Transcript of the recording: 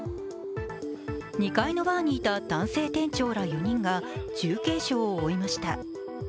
２階のバーにいた男性店長ら４人が重軽傷を負いました。